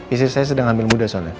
istri saya sedang ambil muda soalnya